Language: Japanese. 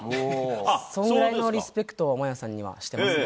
それぐらいのリスペクトを麻也さんにはしてますね。